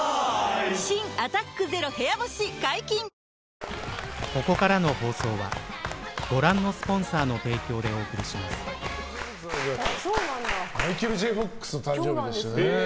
新「アタックＺＥＲＯ部屋干し」解禁‼マイケル・Ｊ・フォックスの誕生日なんですね。